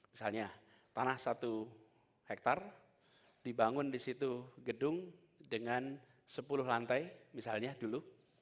misalnya tanah satu hektare dibangun di situ gedung dengan sepuluh lantai misalnya dulu